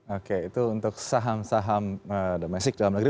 oke itu untuk saham saham domestik dalam negeri